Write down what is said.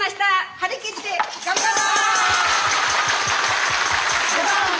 張り切って頑張ろう！